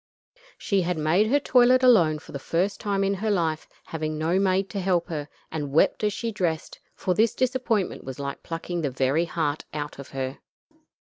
She had made her toilet alone for the first time in her life, having no maid to help her, and wept as she dressed, for this disappointment was like plucking the very heart out of her.